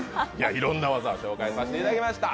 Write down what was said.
いろんな技紹介させていただきました。